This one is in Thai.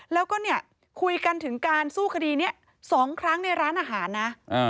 แล้วก็เนี่ยคุยกันถึงการสู้คดีนี้๒ครั้งในร้านอาหารนะ